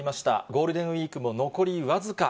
ゴールデンウィークも残り僅か。